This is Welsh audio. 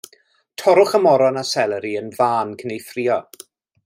Torrwch y moron a seleri yn fân cyn eu ffrio.